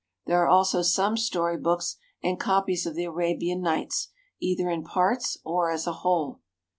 There are also some story books and copies of the "Arabian Nights," either in parts or as a whole.